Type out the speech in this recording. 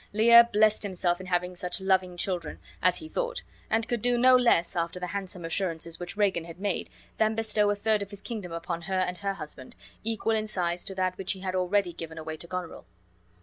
Lear blessed himself in having such loving children, as he thought; and could do no less, after the handsome assurances which Regan had made, than bestow a third of his kingdom upon her and her husband, equal in size to that which he had already given away to Goneril.